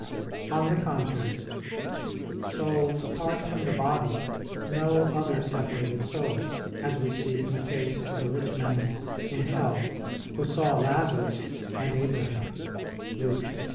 On the contrary, Souls apart from the body know other separated souls; as we see in the case of the rich man in hell, who saw Lazarus and Abraham (Luke 16:23).